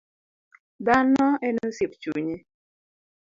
Dhano en osiep chunye.